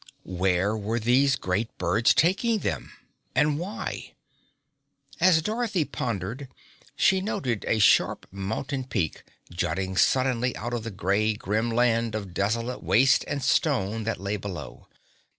Where were these great birds taking them? And why? As Dorothy pondered, she noted a sharp mountain peak jutting suddenly out of the grey, grim land of desolate waste and stone that lay below.